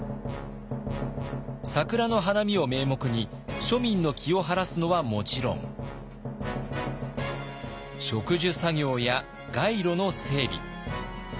桜の花見を名目に庶民の気を晴らすのはもちろん植樹作業や街路の整備